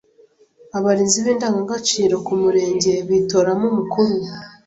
Abarinzi b’indangagaciro ku Murenge bitoramo umukuru